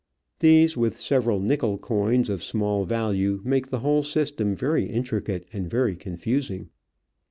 These, with several nickel coins of small value, make the whole system very intricate and very confusing.